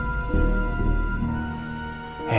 mendarah daging babi buta